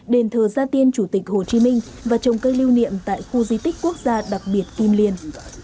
đền thờ gia tiên chủ tịch hồ chí minh và trồng cây lưu niệm tại khu di tích quốc gia đặc biệt kim liên